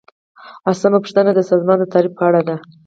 لسمه پوښتنه د سازمان د تعریف په اړه ده.